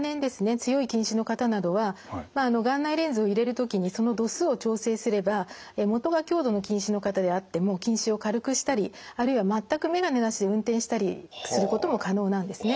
強い近視の方などは眼内レンズを入れる時にその度数を調整すれば元が強度の近視の方であっても近視を軽くしたりあるいは全く眼鏡なしで運転したりすることも可能なんですね。